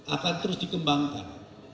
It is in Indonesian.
akan terus dikembangkan